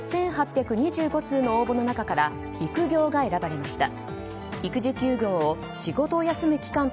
通の応募の中から育業が選ばれました。